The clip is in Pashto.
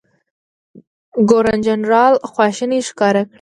ګورنرجنرال خواشیني ښکاره کړه.